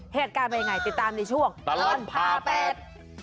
เหตุการณ์เป็นยังไงติดตามในช่วงตลอดพาเป็ด